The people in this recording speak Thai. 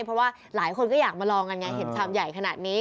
เพราะว่าหลายคนก็อยากมาลองกันไงเห็นชามใหญ่ขนาดนี้